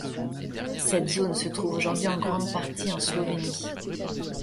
Cette zone se trouve aujourd'hui en grande partie en Slovénie.